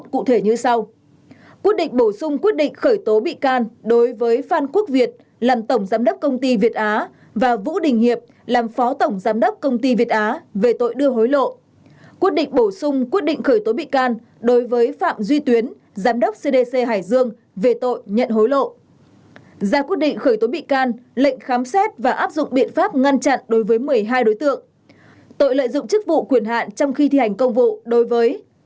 bốn ngày ba mươi một tháng một mươi hai năm hai nghìn hai mươi một cơ quan cảnh sát điều tra bộ công an đã ra quyết định bổ sung quyết định khởi tố bị can đối với phan quốc việt làm tổng giám đốc công ty việt á và vũ đình hiệp làm phó tổng giám đốc công ty việt á về tội đưa hối lộ quyết định bổ sung quyết định khởi tố bị can đối với phạm duy tuyến giám đốc cdc hải dương về tội nhận hối lộ ra quyết định khởi tố bị can lệnh khám xét và áp dụng biện pháp ngăn chặn đối với một mươi hai đối tượng tội lợi dụng chức vụ quyền hạn trong khi thi hành công vụ đối với